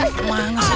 aku mau mandir